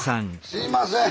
すいません。